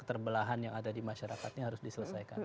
keterbelahan yang ada di masyarakatnya harus diselesaikan